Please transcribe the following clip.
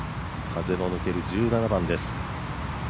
風の抜ける１７番です。